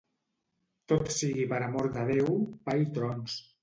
Tot sigui per amor de Déu: pa i trons.